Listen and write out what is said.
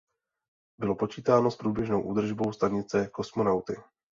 Bylo počítáno s průběžnou údržbou stanice kosmonauty.